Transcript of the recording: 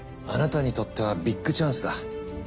あなたにとってはビッグチャンスだ。